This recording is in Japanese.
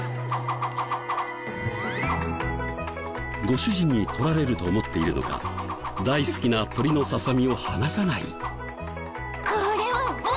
ご主人に取られると思っているのか大好きな鶏のささみを離さない。